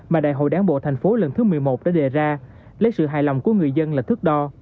mà đại hội đáng bộ tp lần thứ một mươi một đã đề ra lấy sự hài lòng của người dân là thước đo